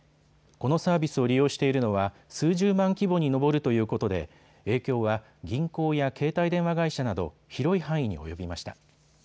このサービスを利用しているのは数十万規模に上るということで影響は銀行や携帯電話会社など広い範囲に及びました。